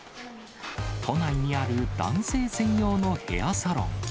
都内にある男性専用のヘアサロン。